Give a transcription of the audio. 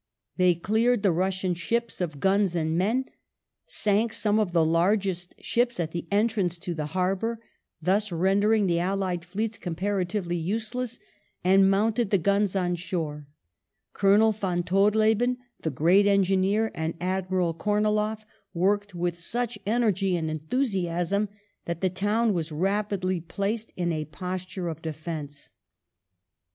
They cleared the Russian ships of guns and men : sank some of the largest ships at the entrance to the harbour — thus rendering the allied fleets comparatively useless — and mounted the guns on shore ; Colonel von Todleben, the great engineer, and Admiral KornilofF worked with such energy and enthusiasm that the town was rapidly Batchi placed in a posture of defence.